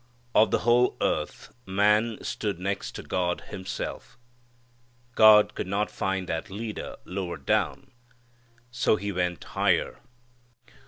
Of the whole earth man stood next to God Himself. God could not find that leader lower down. So He went higher.